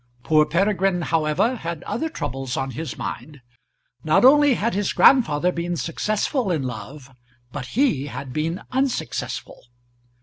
Poor Peregrine, however, had other troubles on his mind. Not only had his grandfather been successful in love, but he had been unsuccessful.